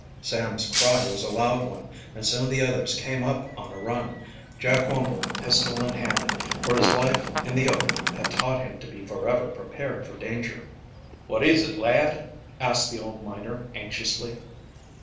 Sam's cry was a loud one, and soon the others came up on a run, Jack Wumble pistol in hand, for his life in the open had taught him to be forever prepared for danger. "Wot is it, lad?" asked the old miner anxiously.